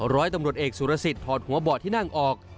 ร้อยตำรวจเอกสุรสิทธิถอดหัวเบาะที่นั่งออก